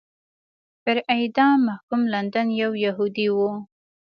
پر اعدام محکوم لندن یو یهودی و.